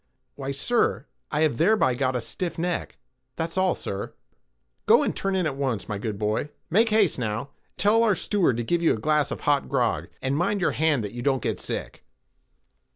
"Why, sir, I have thereby got a stiff neck—that's all, sir." "Go and turn in at once, my good boy—make haste, now—tell our steward to give you a glass of hot grog, and mind your hand that you don't get sick."